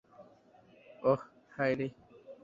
ওহ, হায়রে!